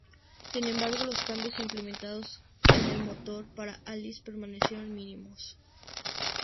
Sin embargo, los cambios implementados en el motor para "Alice" permanecieron mínimos.